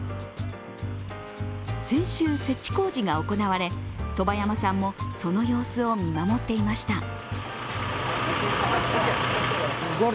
先週、設置工事が行われ外波山さんもその様子を見守っていました。